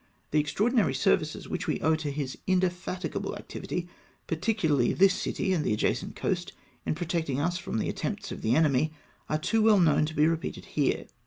The extraordinary services which we owe to bis indefatigable activity, particularly this city and the adjacent coast, in pro tecting us from the attempts of the enemy, are too well known to be repeated here.